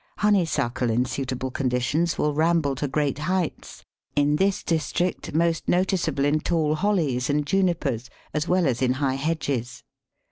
Honeysuckle in suitable conditions will ramble to great heights in this district most noticeable in tall Hollies and Junipers as well as in high hedges.